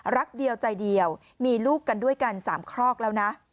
รักเดียวใจเดียวมีลูกกันด้วยกัน๓ครอกแล้วนะ